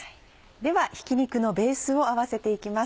ではひき肉のベースを合わせていきます。